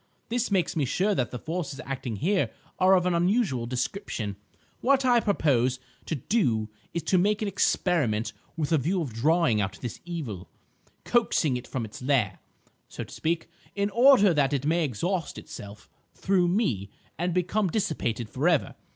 This makes me sure that the forces acting here are of an unusual description. What I propose to do is to make an experiment with a view of drawing out this evil, coaxing it from its lair, so to speak, in order that it may exhaust itself through me and become dissipated for ever.